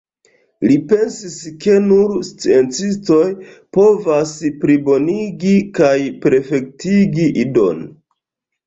Li pensis ke nur sciencistoj povas plibonigi kaj perfektigi Idon.